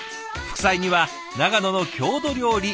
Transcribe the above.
副菜には長野の郷土料理